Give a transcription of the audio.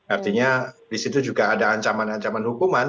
artinya disitu juga ada ancaman ancaman hukuman